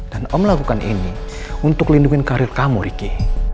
dan om lakukan ini untuk lindungin karir kamu ricky